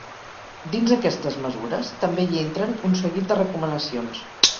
Dins aquestes mesures, també hi entren un seguit de recomanacions.